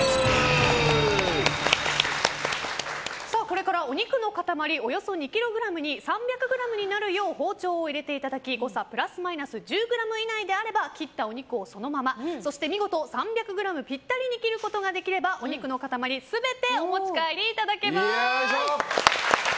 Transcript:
これからお肉の塊およそ２ｋｇに３００ｇになるよう包丁を入れていただき誤差プラスマイナス１０ｇ以内であれば切ったお肉をそのままそして、見事３００ｇぴったりに切ることができればお肉の塊全てお持ち帰りいただけます。